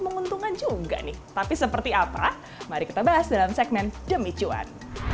menguntungkan juga nih tapi seperti apa mari kita bahas dalam segmen demi cuan